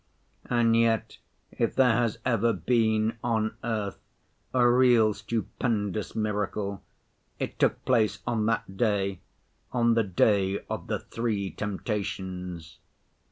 And yet if there has ever been on earth a real stupendous miracle, it took place on that day, on the day of the three temptations.